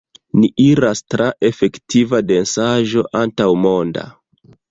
Ni iras tra efektiva densaĵo antaŭmonda!